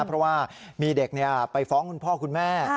เพราะว่ามีเด็กไปฟ้องคุณพ่อคุณแม่